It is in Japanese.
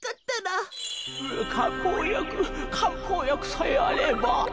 うかんぽうやくかんぽうやくさえあれば。